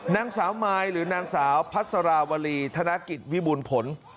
นางสาวมายหรือนางสาวพัสราวรีธนกิจวิบูรณ์ผล